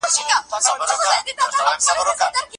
د بریا ډیوې یوازي د لایقو خلګو په کورونو کي نه بلېږي.